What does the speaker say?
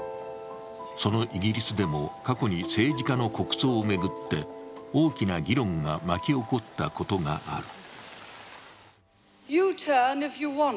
そのイギリスでも過去に政治家の国葬を巡って、大きな議論が巻き起こったことがある。